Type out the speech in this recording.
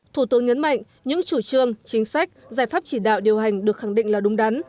thủ tướng nhấn mạnh những chủ trương chính sách giải pháp chỉ đạo điều hành được khẳng định là đúng đắn